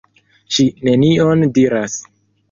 Ŝi nenion diras.